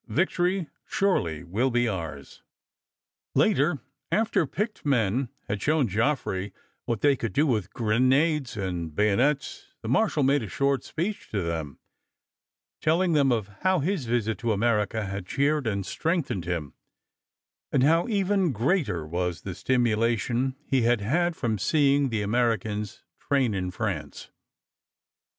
Victory surely will be ours." Later, after picked men had shown Joffre what they could do with grenades and bayonets, the marshal made a short speech to them, telling them of how his visit to America had cheered and strengthened him, and how even greater was the stimulation he had had from seeing the Americans train in France.